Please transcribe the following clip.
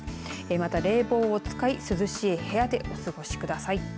また、冷房を使い涼しい部屋でお過ごしください。